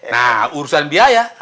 nah urusan biaya